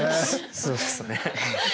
そうですね。